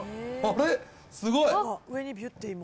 すごい！